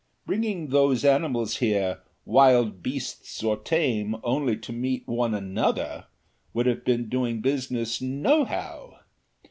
Bringing those animals here, wild beasts or tame, only to meet one another, would have been 'doing business no how.